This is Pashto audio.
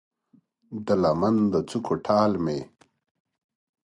د لمن د څوکو ټال مې